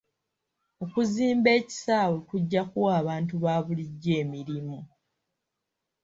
Okuzimba ekisaawe kujja kuwa abantu ba bulijjo emirimu.